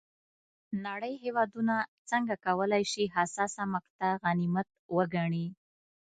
نړۍ هېوادونه څنګه کولای شي حساسه مقطعه غنیمت وګڼي.